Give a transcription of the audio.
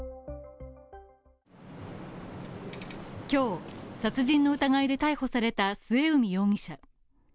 今日、殺人の疑いで逮捕された末海容疑者。